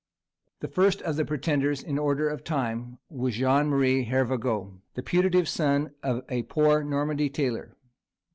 The first of the pretenders, in order of time, was Jean Marie Hervagault, the putative son of a poor Normandy tailor.